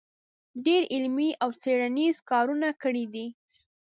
ډېر علمي او څېړنیز کارونه کړي دی